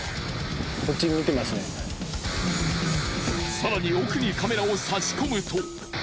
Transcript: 更に奥にカメラを差し込むと。